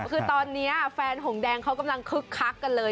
คือตอนนี้แฟนหงแดงเขากำลังคึกคักกันเลย